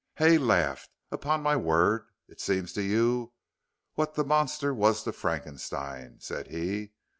Hay laughed. "Upon my word it seems to you what the Monster was to Frankenstein," said he.